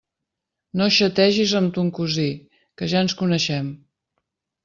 No xategis amb ton cosí, que ja ens coneixem!